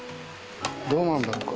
どうなんだろうか？